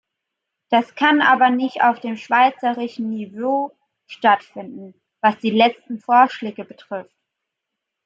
Das kann aber nicht auf dem schweizerischen Niveau stattfinden, was die letzten Vorschläge betrifft.